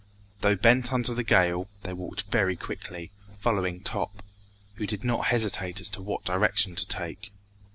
Though bent under the gale they walked very quickly, following Top, who did not hesitate as to what direction to take.